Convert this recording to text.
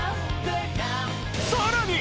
さらに！